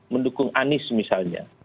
mendukung anies misalnya